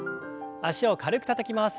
脚を軽くたたきます。